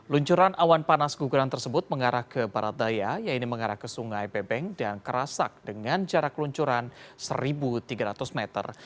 luncuran awan panas guguran tersebut mengarah ke barat daya yaitu mengarah ke sungai bebeng dan kerasak dengan jarak luncuran satu tiga ratus meter